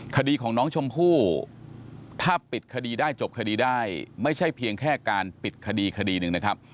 คดีของน้องชมพู่ถ้าปิดคดีได้จบคดีได้ไม่ใช่เพียงแค่การปิดคดีคดีหนึ่งนะครับ